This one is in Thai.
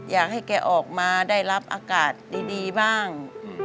อยากให้แกออกมาได้รับอากาศดีบ้าง